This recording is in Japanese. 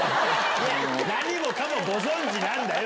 何もかもご存じなんだよ！